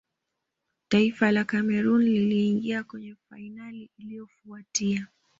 taifa la cameroon liliingia kwenye fainali iliyofuatia